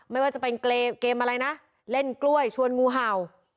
ไม่ว่าจะเป็นเกมอะไรนะเล่นกล้วยชวนงูเห่า